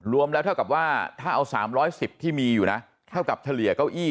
รวมแล้วเท่ากับว่าถ้าเอา๓๑๐ที่มีอยู่นะเท่ากับเฉลี่ยเก้าอี้